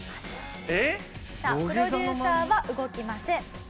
プロデューサーは動きません。